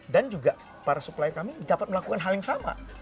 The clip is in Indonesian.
dan juga para supplier kami dapat melakukan hal yang sama